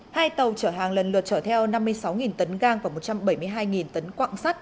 hai tàu chở hàng lần lượt chở theo năm mươi sáu tấn gang và một trăm bảy mươi hai tấn quạng sắt